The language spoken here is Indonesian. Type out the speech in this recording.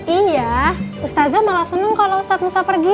iya ustazah malah seneng kalau ustaz musa pergi